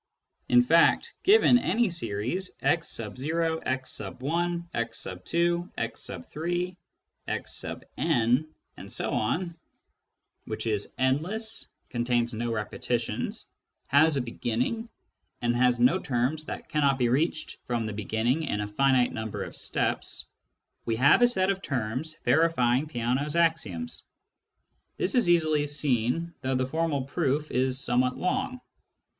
In fact, given any series x 0j ^l> ^2> "^Sj ••• %m ••• 8 Introduction to Mathematical Philosophy which is endless, contains no repetitions, has a beginning, and has no terms that cannot be reached from the beginning in a finite number of steps, we have a set of terms verifying Peano's axioms. This is easily seen, though the formal proof is some what long.